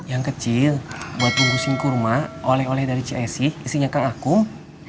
yang kecil buat bungkusin kurma oleh oleh dari cisi isinya kang akung